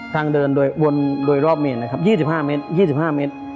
ทางเดินโดยรอบเมน๒๕เมตร